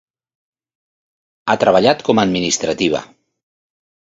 Ha treballat com a administrativa.